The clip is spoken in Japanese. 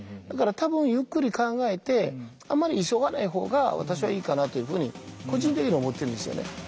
だから多分ゆっくり考えてあんまり急がない方が私はいいかなというふうに個人的に思ってるんですよね。